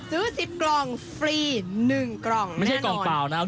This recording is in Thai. ซื้อ๑๐กล่องฟรีหนึ่งกล่องแน่นอน